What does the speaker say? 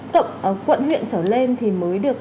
cộng quận huyện trở lên thì mới được